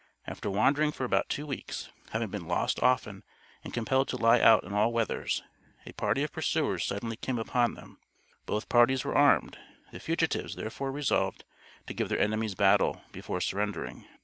After wandering for about two weeks, having been lost often and compelled to lie out in all weathers, a party of pursuers suddenly came upon them. Both parties were armed; the fugitives therefore resolved to give their enemies battle, before surrendering.